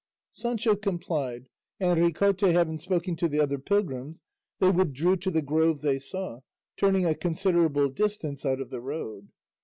Sancho complied, and Ricote having spoken to the other pilgrims they withdrew to the grove they saw, turning a considerable distance out of the road.